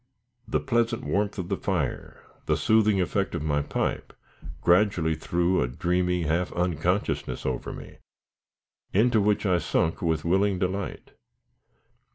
The pleasant warmth of the fire, the soothing effect of the pipe, gradually threw a dreamy, half unconsciousness over me, into which I sunk with willing delight.